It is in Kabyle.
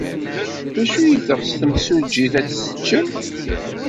D acu ay teɣs temsujjit ad t-teččem?